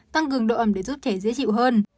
tăng cường độ ẩm để giúp trẻ dễ chịu hơn